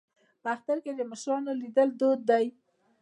په اختر کې د مشرانو لیدل دود دی.